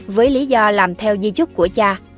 với lý do làm theo di chúc của cha